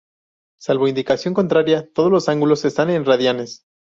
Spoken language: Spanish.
Salvo indicación contraria, todos los ángulos están en radianes.